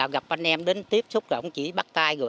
gặp anh em đến tiếp xúc là ông chỉ bắt tay rồi